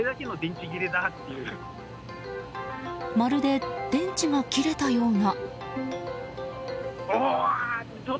まるで、電池が切れたような。